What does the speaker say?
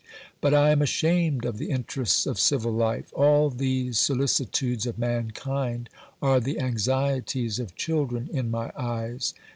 But I am OBERMANN 93 ashamed of the interests of civil life ; all these solicitudes of mankind are the anxieties of children in my eyes.